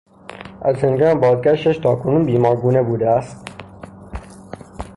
از هنگام بازگشتش تاکنون بیمار گونه بودهاست.